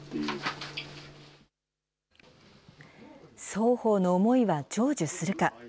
双方の思いは成就するか。